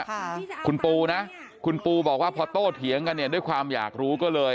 ค่ะคุณปูนะคุณปูบอกว่าพอโต้เถียงกันเนี่ยด้วยความอยากรู้ก็เลย